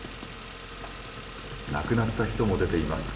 亡くなった人も出ています。